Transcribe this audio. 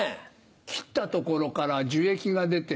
切った所から樹液が出て。